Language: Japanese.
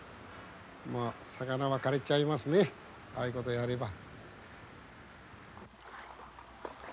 まあ魚がかれちゃいますねああいうことやれば。